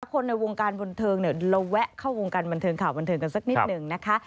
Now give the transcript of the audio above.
คนในวงการบันเทิงเราแวะเข้าวงการบันเทิงข่าวบันเทิงกันสักนิดหนึ่งนะคะ